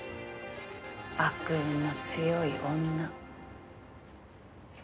悪運の強い女。